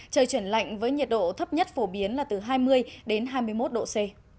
trời chuyển lạnh với nhiệt độ thấp nhất phổ biến là từ hai mươi đến hai mươi một độ c